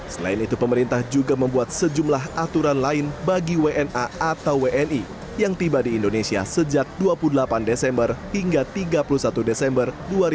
selain itu pemerintah juga membuat sejumlah aturan lain bagi wna atau wni yang tiba di indonesia sejak dua puluh delapan desember hingga tiga puluh satu desember dua ribu dua puluh